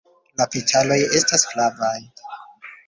La petaloj estas flavaj.